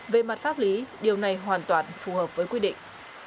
về mặt pháp lý điều này hoàn toàn phù hợp với quy định